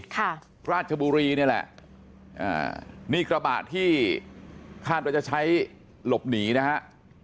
ค่ะราชบุรีนี่แหละอ่านี่กระบะที่คาดว่าจะใช้หลบหนีนะฮะ